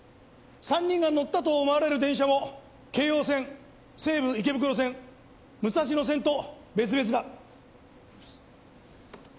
３人が乗ったと思われる電車も京葉線西武池袋線武蔵野線と別々だ。